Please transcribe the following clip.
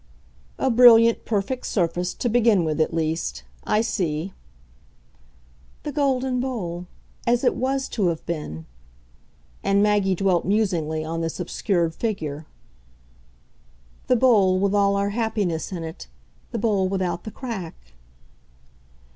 "A brilliant, perfect surface to begin with at least. I see." "The golden bowl as it WAS to have been." And Maggie dwelt musingly on this obscured figure. "The bowl with all our happiness in it. The bowl without the crack."